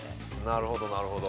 なるほどなるほど。